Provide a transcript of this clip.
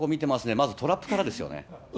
まずトラップからですよね。